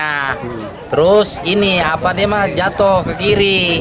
nah terus ini apa dia mah jatuh ke kiri